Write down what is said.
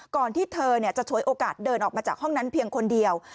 ที่เธอจะฉวยโอกาสเดินออกมาจากห้องนั้นเพียงคนเดียว